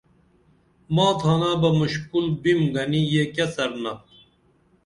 ما تھانا بہ مُشکُل بِم گنی یہ کیہ څرِنپ